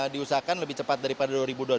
diusahakan lebih cepat daripada dua ribu dua puluh